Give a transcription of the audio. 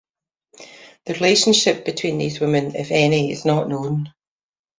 The relationship between these women, if any, is not known.